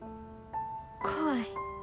怖い。